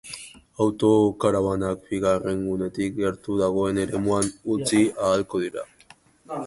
Autokarabanak bigarren gunetik gertu dagoen eremuan utzi ahalko dira.